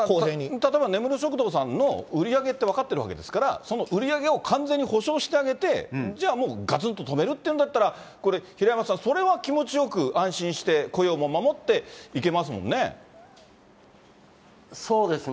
例えば、根室食堂さんとかの売り上げって分かってるわけですから、その売り上げを完全に補償してあげて、じゃあがつんと止めるっていうんだったら、これ平山さん、それは気持ちよく安心して雇用も守っていけますもんね。